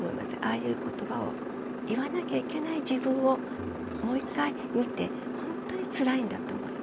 ああいう言葉を言わなきゃいけない自分をもう一回見てほんとにつらいんだと思います。